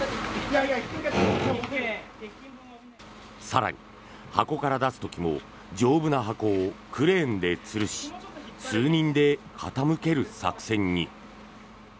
更に、箱から出す時も丈夫な箱をクレーンでつるし数人で傾ける作戦に。